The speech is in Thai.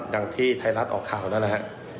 อย่างที่ไทยรัฐออกข่าวนั่นแหละฮะ